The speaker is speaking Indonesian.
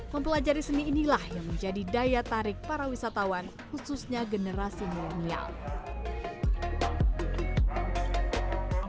mempelajari seni inilah yang menjadi daya tarik para wisatawan khususnya generasi milenial